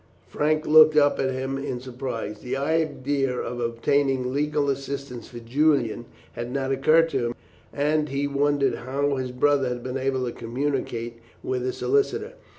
Frank looked up at him in surprise. The idea of obtaining legal assistance for Julian had not occurred to him, and he wondered how his brother had been able to communicate with a solicitor.